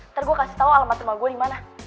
ntar gue kasih tau alamat rumah gue di mana